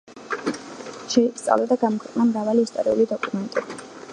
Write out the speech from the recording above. შეისწავლა და გამოაქვეყნა მრავალი ისტორიული დოკუმენტი.